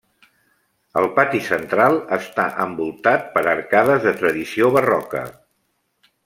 El pati central està envoltat per arcades de tradició barroca.